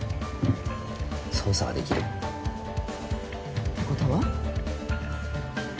捜査はできる。って事は？